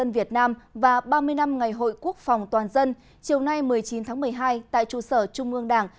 việt nam và ba mươi năm ngày hội quốc phòng toàn dân chiều nay một mươi chín tháng một mươi hai tại trụ sở trung ương đảng